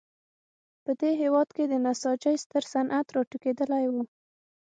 په دې هېواد کې د نساجۍ ستر صنعت راټوکېدلی و.